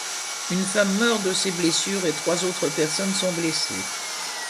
Une femme meurt de ses blessures et trois autres personnes sont blessées.